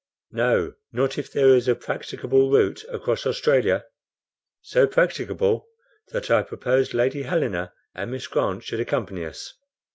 "No, not if there is a practicable route across Australia." "So practicable, that I propose Lady Helena and Miss Grant should accompany us."